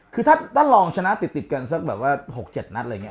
คือถ้าลองชนะติดกันสักแบบว่า๖๗นัดอะไรอย่างนี้